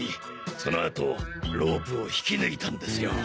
そのあとロープを引き抜いたんですよ。